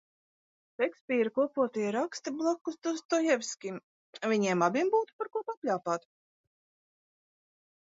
Šekspīra kopotie raksti blakus Dostojevskim, viņiem abiem būtu par ko papļāpāt.